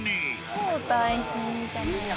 超大変じゃないですか。